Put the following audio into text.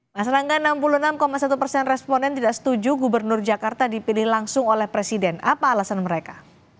mas erlangga enam puluh enam satu persen responden tidak setuju gubernur jakarta dipilih langsung oleh presiden apa alasan mereka